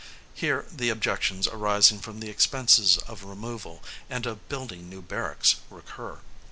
Here, the objections arising from the expenses of removal, and of building new barracks, recur.